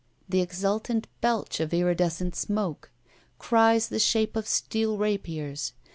The exultant belch of iridescent smoke. Cries the shape of steel rapiers.